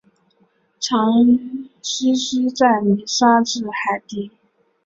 常栖息在泥沙质海底。